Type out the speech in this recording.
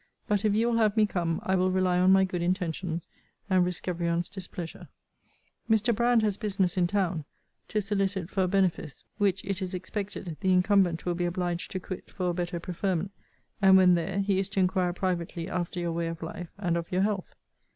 But if you will have me come, I will rely on my good intentions, and risque every one's displeasure. Mr. Brand has business in town; to solicit for a benefice which it is expected the incumbent will be obliged to quit for a better preferment: and, when there, he is to inquire privately after your way of life, and of your health.